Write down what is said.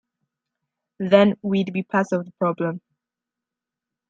Then we’d be part of the problem.